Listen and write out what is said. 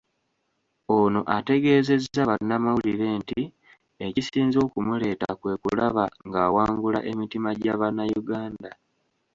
Ono ategeezezza bannamawulire nti ekisinze okumuleeta kwe kulaba ng'awangula emitima gya Bannayuganda.